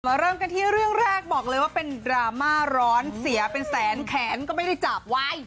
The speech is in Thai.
เริ่มกันที่เรื่องแรกบอกเลยว่าเป็นดราม่าร้อนเสียเป็นแสนแขนก็ไม่ได้จับไว้